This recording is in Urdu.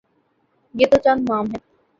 یہ تو چند نام ہیں۔